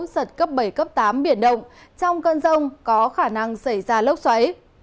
giật cấp bảy cấp tám biển động trong cơn rông có khả năng xảy ra lốc xoáy